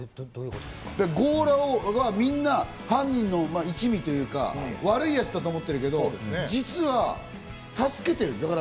強羅はみんな犯人の一味というか、悪いやつだと思ってるけど、実は助けてる。